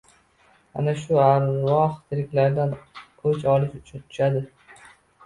Ana shu arvoh tiriklardan... o‘ch olish uchun uchadi.